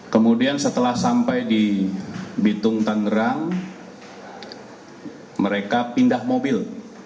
kemudian setelah sampai di bitung tangerang mereka pindah mobil